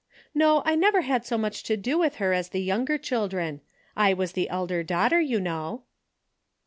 No, I never had so much to do with her as the younger children. I was the elder daughter, you know."